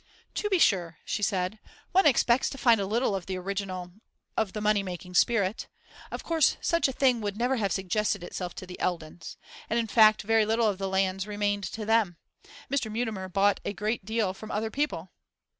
'To be sure,' she said, 'one expects to find a little of the original of the money making spirit. Of course such a thing would never have suggested itself to the Eldons. And in fact very little of the lands remained to them. Mr. Mutimer bought a great deal from other people.